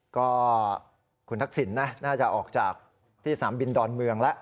ก็คุณทักษิณนะน่าจะออกจากที่สนามบินดอนเมืองแล้ว